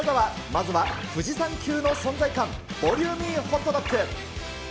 まずは富士山級の存在感、ボリューミーホットドッグ。